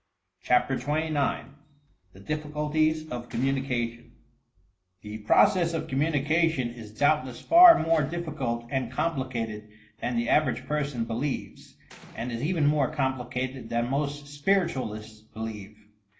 CHAPTER XXIX THE DIFFICULTIES OF COMMUNICATION The process of communication is doubtless far more diffi cult and complicated than the average person belieres, and is even more complicated than most spiritaaUsts believe.